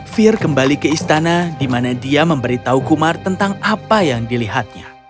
fir kembali ke istana di mana dia memberitahu kumar tentang apa yang dilihatnya